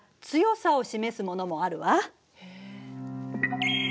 へえ。